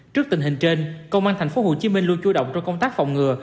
trước tình hình trên công an tp hcm luôn chú động trong công tác phòng ngừa